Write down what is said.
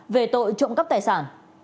về tội trộm cắp tài sản